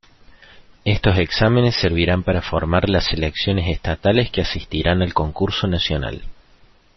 Estos exámenes servirán para formar las selecciones estatales que asistirán al Concurso Nacional.